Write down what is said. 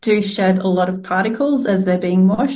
mereka menggabungkan banyak partikel ketika mereka dibuat bersih